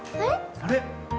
あれ？